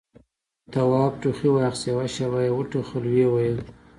تواب ټوخي واخيست، يوه شېبه يې وټوخل، ويې ويل: